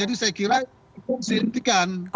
jadi saya kira dipercayai